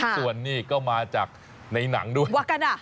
ส่วนนี้ก็มาจากในหนังด้วย